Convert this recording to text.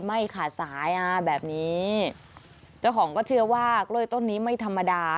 ไม่ขาดสายอ่ะแบบนี้เจ้าของก็เชื่อว่ากล้วยต้นนี้ไม่ธรรมดา